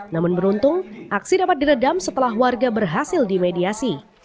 namun beruntung aksi dapat diredam setelah warga berhasil dimediasi